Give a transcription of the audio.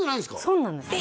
そうなんですよ